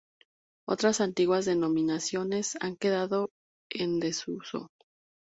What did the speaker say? Otras antiguas denominaciones han quedado en desuso.